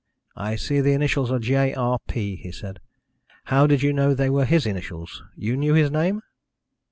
"I see the initials are J.R.P.," he said. "How did you know they were his initials? You knew his name?"